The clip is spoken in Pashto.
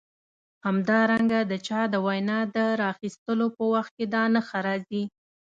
همدارنګه د چا د وینا د راخیستلو په وخت کې دا نښه راځي.